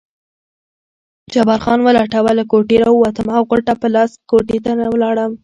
جبار خان ولټوه، له کوټې راووتم او غوټه په لاس کوټې ته ولاړم.